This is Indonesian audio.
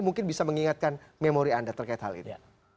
mungkin bisa mengingatkan memori anda terkait hal ini